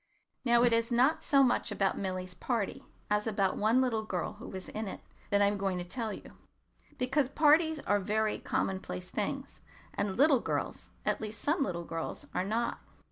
Now it is not so much about Milly's party as about one little girl who was in it that I am going to tell you; because parties are very commonplace things, and little girls, at least some little girls, are not.